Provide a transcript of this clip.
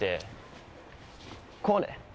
こうね。